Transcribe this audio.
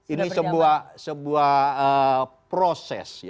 ini sebuah proses